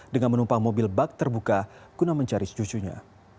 dengan menumpang mobil bak terbuka guna mencari cucunya